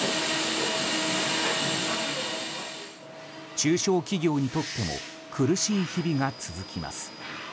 中小企業にとっても苦しい日々が続きます。